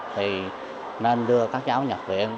thì nên đưa các cháu nhập viện